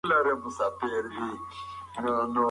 د زړه رګونه بندیدل ناروغۍ رامنځ ته کوي.